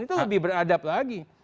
itu lebih beradab lagi